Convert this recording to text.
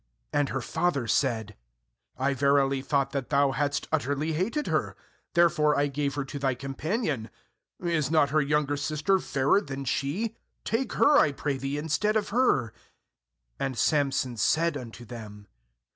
2And her father said: 'I verily thought that thou hadst utterly hated her; there fore I gave her to thy companion; is not her younger sister fairer than she? take her, I pray thee, instead of her.' 3And Samson said unto them.